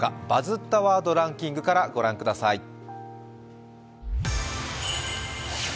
「バズったワードランキング」から御覧ください。